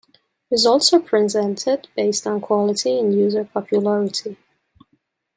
Results are presented based on quality and user popularity.